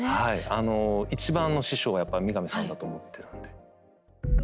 あの一番の師匠はやっぱ三上さんだと思ってるんで。